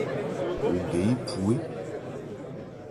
Wo gɛ yí phu é.